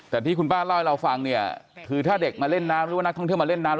แต่ที่คุณป้าเล่าให้เราฟังเนี่ยคือถ้าเด็กมาเล่นน้ำหรือว่านักท่องเที่ยวมาเล่นน้ำ